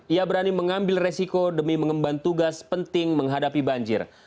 ia berani mengambil resiko demi mengemban tugas penting menghadapi banjir